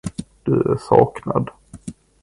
Du är saknad.